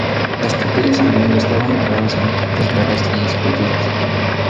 Las capillas a menudo estaban decoradas con pinturas murales y esculturas.